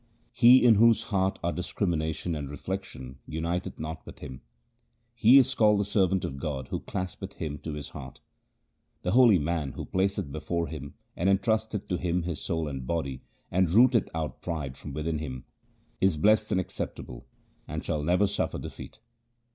He in whose heart are discrimination and reflection uniteth not with him. He is called the servant of God who claspeth Him to his heart. The holy man who placeth before Him and entrusteth to Him his soul and body, and rooteth out pride from within him, Is blest and acceptable, and shall never suffer defeat.